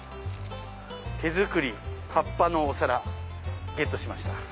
「手づくりかっぱのお皿」ゲットしました。